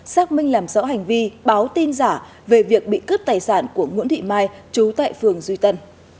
xác minh làm rõ hành vi báo tin giả về việc bị cướp tài sản của nguyễn thị mai trú tại phường duy tân